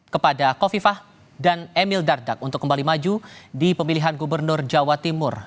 kepada kofifah dan emil dardak untuk kembali maju di pemilihan gubernur jawa timur